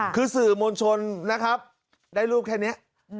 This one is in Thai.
คือสื่อมวลชนนะครับได้รูปแค่นี้